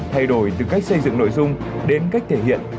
thay đổi từ cách xây dựng nội dung đến cách thể hiện